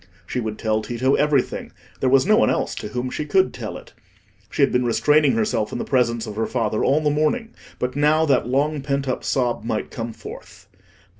She would tell Tito everything; there was no one else to whom she could tell it. She had been restraining herself in the presence of her father all the morning; but now, that long pent up sob might come forth.